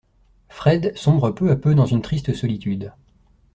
Fred sombre peu à peu dans une triste solitude.